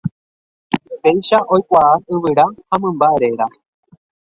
Péicha oikuaa yvyra ha mymba réra.